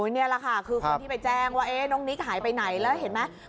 นี่แหละค่ะคือคนที่ไปแจ้งว่าน้องนิกหายไปไหนแล้วเห็นไหม